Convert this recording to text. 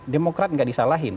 demokrat nggak disalahin